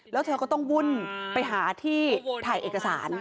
แล้วเธอก็ต้องวุ่นไปหาที่ถ่ายเอกสาร